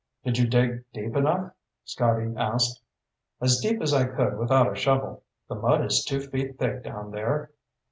"Did you dig deep enough?" Scotty asked. "As deep as I could without a shovel. The mud is two feet thick down there."